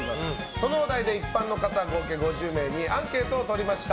そのお題で一般の方合計５０名にアンケートを取りました。